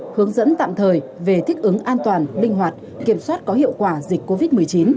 hướng dẫn tạm thời về thích ứng an toàn linh hoạt kiểm soát có hiệu quả dịch covid một mươi chín